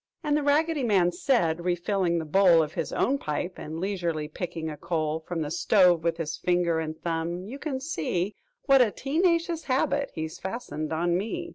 And The Raggedy Man said, refilling the bowl Of his own pipe and leisurely picking a coal From the stove with his finger and thumb, "You can see What a tee nacious habit he's fastened on me!